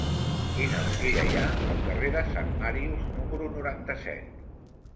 Quina botiga hi ha al carrer de Sant Màrius número noranta-set?